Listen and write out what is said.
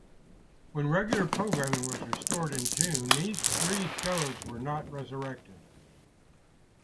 When regular programming was restored in June, these three shows were not resurrected.